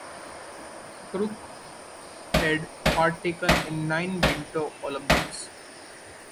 Krook had partaken in nine Winter Olympics.